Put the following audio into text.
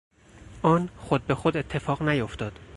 آن خود به خود اتفاق نیافتاد.